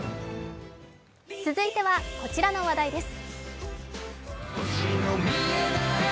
続いてはこちらの話題です。